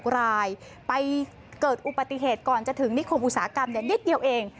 ๖รายไปเกิดอุบัติเหตุก่อนจะถึงนิคมอุตสาหกรรมนิดเดียวเอง